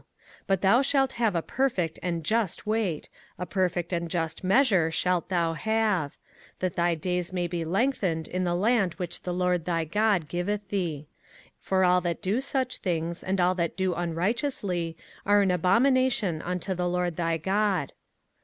05:025:015 But thou shalt have a perfect and just weight, a perfect and just measure shalt thou have: that thy days may be lengthened in the land which the LORD thy God giveth thee. 05:025:016 For all that do such things, and all that do unrighteously, are an abomination unto the LORD thy God.